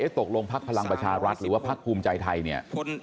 ตกลงพักพลังประชารัฐหรือว่าพักภูมิใจไทยเนี่ย